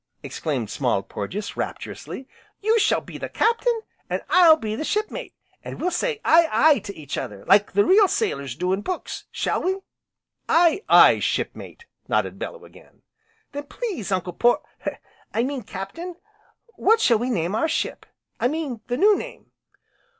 exclaimed Small Porges rapturously, "you shall be the captain, an' I'll be the shipmate, an' we'll say Aye Aye, to each other like the real sailors do in books, shall we?" "Aye, aye Shipmate!" nodded Bellew again. "Then please, Uncle Por I mean Captain, what shall we name our ship, I mean the new name?"